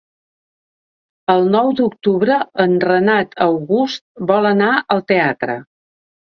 El nou d'octubre en Renat August vol anar al teatre.